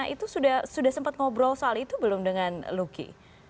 itu sudah sempat ngobrol soal itu belum dengan luki